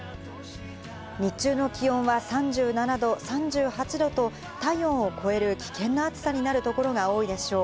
日中の気温は３７度、３８度と体温を超える危険な暑さになるところが多いでしょう。